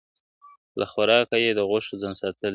له خوراکه یې د غوښو ځان ساتلی ..